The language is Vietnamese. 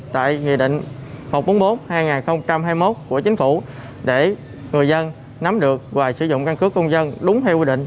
các công dân tại nghị định một trăm bốn mươi bốn hai nghìn hai mươi một của chính phủ để người dân nắm được và sử dụng căn cước công dân đúng theo quy định